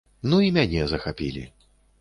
Ну і мяне захапілі.